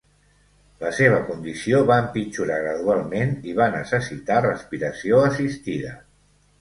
La seva condició va empitjorar gradualment i va necessitar respiració assistida.